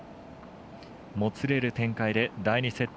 もつれる展開で第２セット